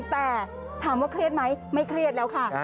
แต่ถามว่าเครียดไหมไม่เครียดแล้วค่ะ